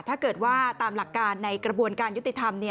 ถ้าเกิดว่าตามหลักการในกระบวนการยุติธรรม